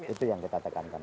itu yang kita tekankan